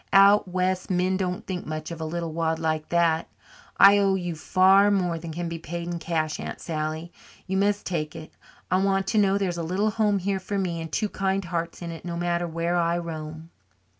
"Out west men don't think much of a little wad like that. I owe you far more than can be paid in cash, Aunt Sally. You must take it I want to know there's a little home here for me and two kind hearts in it, no matter where I roam."